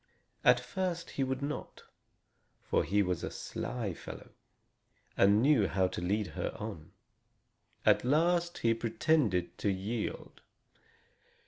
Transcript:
At first he would not, for he was a sly fellow, and knew how to lead her on. At last, he pretended to yield.